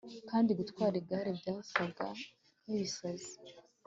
kandi gutwara igare byasaga nkibisazi